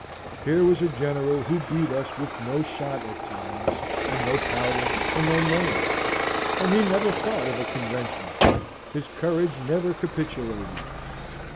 Here was a general who beat us with no shot at times, and no powder, and no money; and he never thought of a convention; his courage never capitulated!